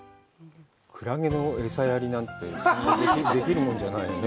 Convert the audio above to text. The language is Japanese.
クラゲの餌やりってできるものじゃないね。